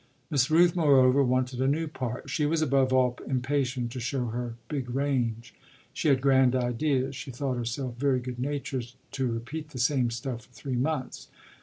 Miss Rooth, moreover, wanted a new part; she was above all impatient to show her big range. She had grand ideas; she thought herself very good natured to repeat the same stuff for three months.